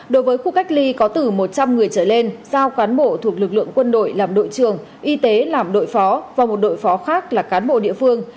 đối với khu cách ly có từ một trăm linh người trở lên giao cán bộ thuộc lực lượng quân đội làm đội trường y tế làm đội phó và một đội phó khác là cán bộ địa phương